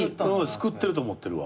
救ってると思ってるわ。